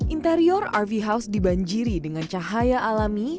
interior rv house dibanjiri dengan cahaya alami